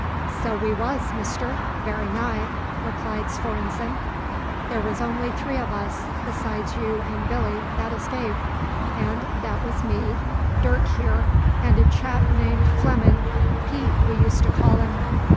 "So we was, Mister very nigh," replied Svorenssen. "There was only three of us besides you and Billy that escaped; and that was me, Dirk here, and a chap named Flemin' Pete, we used to call 'im.